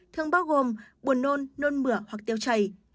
thường bao gồm buồn nôn nôn mửa hoặc tiêu chảy